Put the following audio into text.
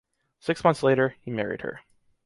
Six months later, he married her.